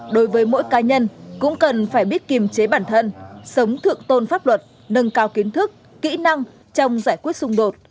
đối với mỗi cá nhân cũng cần phải biết kiềm chế bản thân sống thượng tôn pháp luật nâng cao kiến thức kỹ năng trong giải quyết xung đột